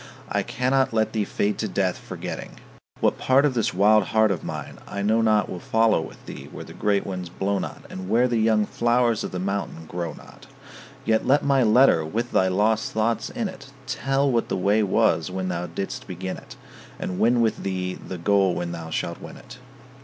I cannot let thee fade to death, forgetting. What part of this wild heart of mine I know not Will follow with thee where the great winds blow not, And where the young flowers of the mountain grow not. Yet let my letter with thy lost thoughts in it Tell what the way was when thou didst begin it, And win with thee the goal when thou shalt win it.